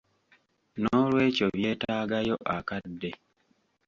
Noolwekyo byetaagayo akadde.